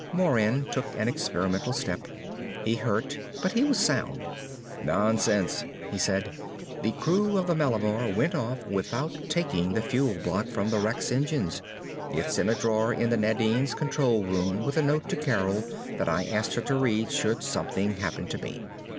Moran took an experimental step. He hurt, but he was sound. "Nonsense!" he said. "The crew of the Malabar went off without taking the fuel block from the wreck's engines. It's in a drawer in the Nadine's control room with a note to Carol that I asked her to read should something happen to me.